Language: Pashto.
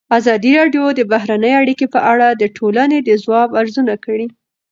ازادي راډیو د بهرنۍ اړیکې په اړه د ټولنې د ځواب ارزونه کړې.